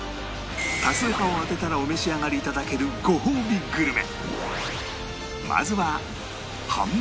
多数派を当てたらお召し上がり頂けるごほうびグルメ